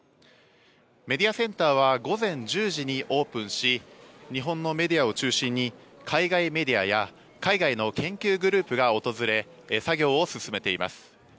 メディアセンターは午前１０時にオープンし日本のメディアを中心に海外メディアや海外の研究グループが訪れ作業を進めています。